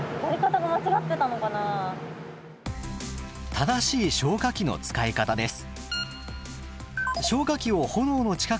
正しい消火器の使い方です。